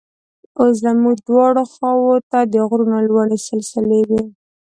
اوس زموږ دواړو خواو ته د غرونو لوړې سلسلې وې.